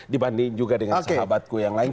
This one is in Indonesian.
dibanding juga dengan sahabatku yang lain